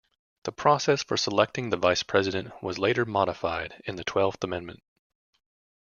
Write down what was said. The process for selecting the vice president was later modified in the Twelfth Amendment.